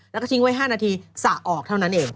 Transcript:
แล้วก็ทิ้งไว้๕นาทีสระออกเท่านั้นเอง